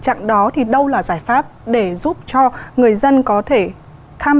trạng đó thì đâu là giải pháp để giúp cho người dân có thể tham